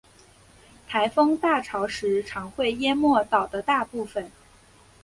台风大潮时常会淹没岛的大部分。